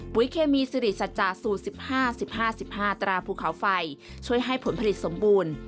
เคมีสิริสัจจาสูตร๑๕๑๕๑๕๑๕ตราภูเขาไฟช่วยให้ผลผลิตสมบูรณ์